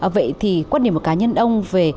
vậy thì quan điểm của cá nhân ông về